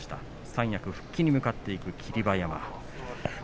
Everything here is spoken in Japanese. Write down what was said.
三役復帰に向かっていく霧